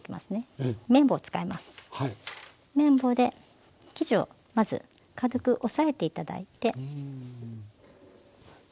麺棒で生地をまず軽く押さえて頂いて。